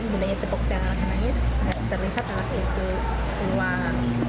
gak terlihat anak itu keluar